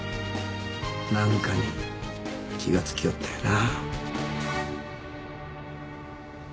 何かに気が付きおったんやな。